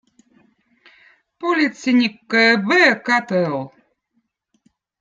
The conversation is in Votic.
politseinikkõ eb õõ katõll